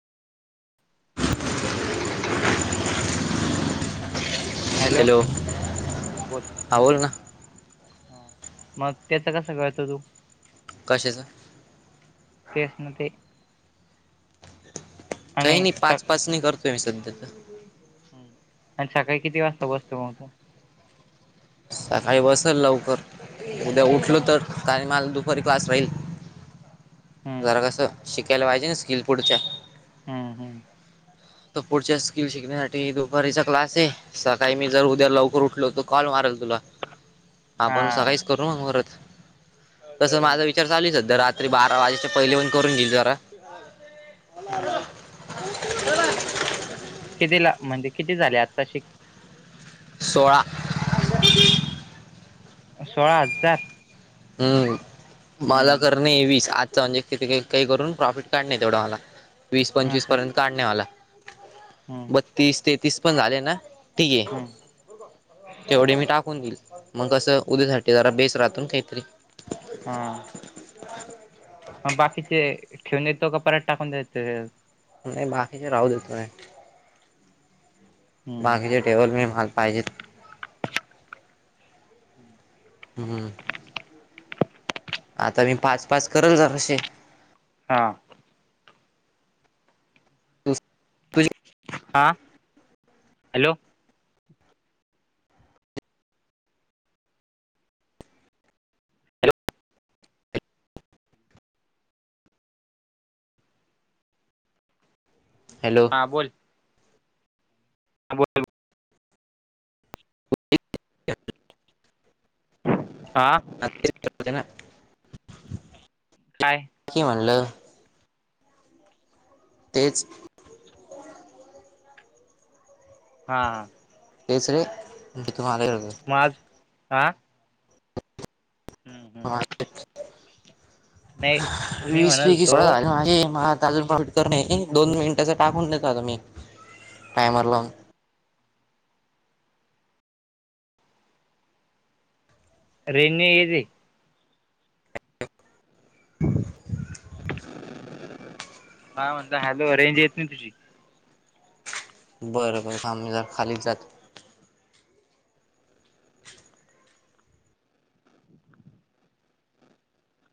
कोण का? हॅलो? हा, बोल बोल ना हा, मग त्याच कस कळतं तु कशाच? [unintelligible] ते काही नाही, पाच-पाच नी करतोय मी, सध्या तर ह [unintelligible] [inaudible] आणि सकाळी किती वाजता बसतो मग तू? सकाळी बसल लवकर. उद्या उठलो तर [unintelligible] दुपारी क्लास राहील. हम्म जरा कसं, शिकायला पाहिजे ना, स्किल पूढच्या हम्म! हम्म. तो पुढच्या स्किल शिकण्यासाठी, दुपारीचा क्लास ये सकाळी मी जर उद्या लवकर उठलो, तर कॉल मारल तुला, हा आपण सकाळीच करू म म्होरत, तस माझ हम्म विचार तरी, बारा वाजेच्या पहिले पण करून घईल जरा हम! [unintelligible] [inaudible] कितीला? म्हणजे किती झाले? आत्ता शि सोळा सोळा हजार हम्म! माला कर हम्म नाही वीस, आजचां म्हणजे किती काही काही करून प्रॉफिट काढलय तेवढं मला वीस असं आहे पंचवीसपर्यंत काढणे वाला, हम्म बत्तीस तेतीस पण झाले ना ती हे हम्म तेवढे मी टाकून देईल, मग कसं उद्यासाठी जरा बेस राहतून काहीतरी हा [unintelligible] [inaudible] मग बाकीचे ठेवून येतो का, पऱत टाकून देतो? नाही बाकीचे राहू देत, नाही हम्म बाकीचे टठेवत [unintelligible] मला पाहिजेत. आता मी पाच-पाच करल जरासे हा. तुझी [unintelligible] [inaudible] आ? हॅलो? Hello hello? हां बोल [unintelligible] [inaudible] [unintelligible] [inaudible] आ ना [unintelligible] काय की म्हणलं तेच हा. [unintelligible] [inaudible] माझ आं [unintelligible] [inaudible] नई वीस पैकी सोळा झालेत माझे [unintelligible] मग आता अजून तर [unintelligible] दोन मिनिटाच टाकून देत तुम्ही टायमर लावून. रेंज ही गेली. [unintelligible] काय म्हणता हॅलो रेंज येत ना तुझी. बरं बरं थांब जरा खालीच जातो.